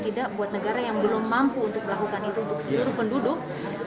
tidak buat negara yang belum mampu untuk melakukan itu untuk seluruh penduduk